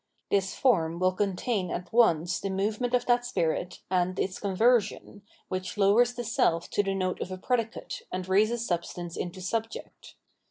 This form will contain at once the movement of that spirit and its conversion, which lowers the self to the note of a predicate and raises substance into subject.